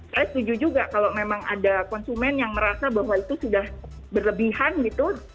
saya setuju juga kalau memang ada konsumen yang merasa bahwa itu sudah berlebihan gitu